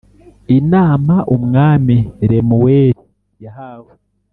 inama umwami lemuweli yahawe